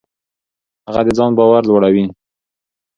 هغه د ځان باور لوړوي.